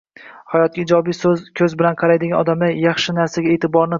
Hayotga ijobiy ko‘z bilan qaraydigan odamlar yaxshi narsaga e’tiborni jamlay oladilar.